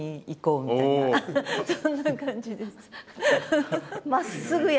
そんな感じです。